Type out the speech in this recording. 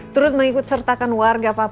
terus mengikut sertakan warga papua dalam berbahaya